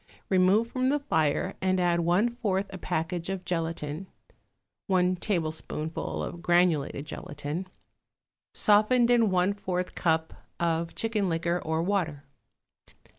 Remove from the fire and add one fourth a package of gelatine (one tablespoonful of granulated gelatine), softened in one fourth a cup of chicken liquor or water.